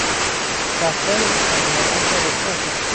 رفتار او خانوادهاش را رسوا کرد.